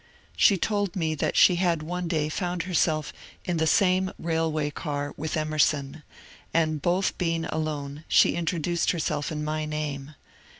She told me that she had one day found herself in the same railway car with Emerson, and both being alone she introduced herself in my name.